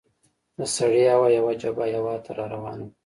د سړې هوا یوه جبهه هیواد ته را روانه ده.